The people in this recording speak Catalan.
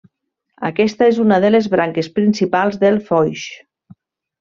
Aquesta és una de les branques principals del Foix.